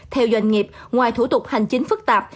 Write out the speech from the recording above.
theo doanh nghiệp ngoài thủ tục hành chính phức tạp